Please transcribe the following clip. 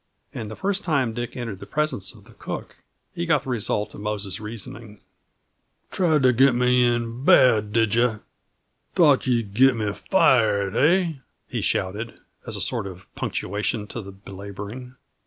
And the first time Dick entered the presence of the cook, he got the result of Mose's reasoning. "Tried to git me in bad, did yuh? Thought you'd git me fired, hey?" he shouted, as a sort of punctuation to the belaboring.